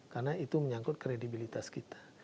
karena itu menyangkut kredibilitas kita